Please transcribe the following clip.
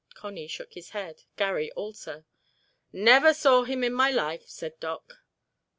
Connie shook his head; Garry also. "Never saw him in my life," said Doc.